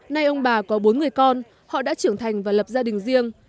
nay ông bà có bốn người con họ đã trưởng thành và lập gia đình riêng